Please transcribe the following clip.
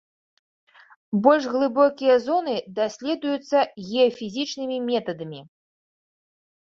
Больш глыбокія зоны даследуюцца геафізічнымі метадамі.